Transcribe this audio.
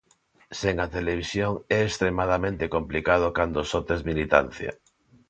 Sen a televisión é extremadamente complicado cando só tes militancia.